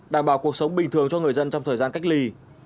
đảm bảo cuộc sống bình thường cho người dân trong thời gian cách ly